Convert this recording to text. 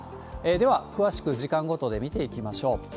では、詳しく時間ごとで見ていきましょう。